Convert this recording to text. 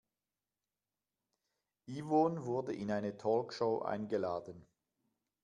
Yvonne wurde in eine Talkshow eingeladen.